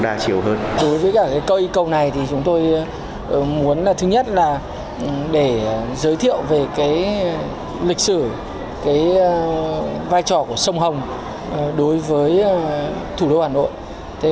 đối với cả cây cầu này thì chúng tôi muốn là thứ nhất là để giới thiệu về cái lịch sử cái vai trò của sông hồng đối với thủ đô hà nội